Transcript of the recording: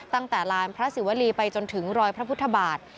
ตั้งแต่ลานพระศิวรีไปจนถึงรอยพระพุทธบาท